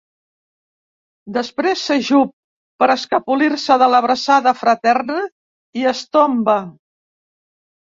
Després s'ajup per escapolir-se de l'abraçada fraterna i es tomba.